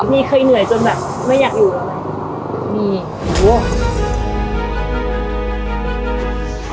มีเคยเหนื่อยจนแบบไม่อยากอยู่หรอมี